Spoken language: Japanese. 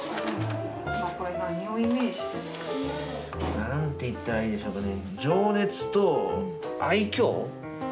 何て言ったらいいでしょうかね